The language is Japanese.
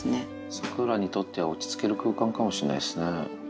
サクラにとっては落ち着ける空間かもしれないですね。